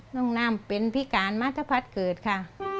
น้ำเป็นพิการมัธพัฒน์เกิดค่ะ